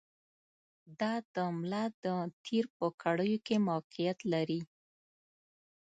دا د ملا د تېر په کړیو کې موقعیت لري.